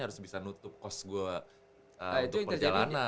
harus bisa nutup cost gue untuk perjalanan